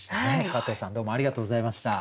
加藤さんどうもありがとうございました。